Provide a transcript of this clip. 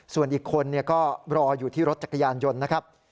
ส่วนอีกคนก็รออยู่ที่รถจักรยานยนต์นะครับ